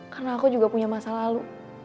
karena aku juga punya masa lalu